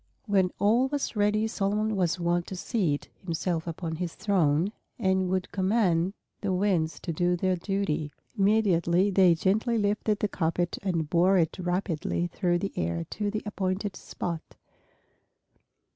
When all was ready Solomon was wont to seat himself upon his throne, and would command the winds to do their duty. Immediately they gently lifted the carpet and bore it rapidly through the air to the appointed spot.